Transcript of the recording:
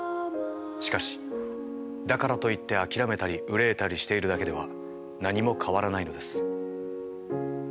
しかしだからといって諦めたり憂えたりしているだけでは何も変わらないのです。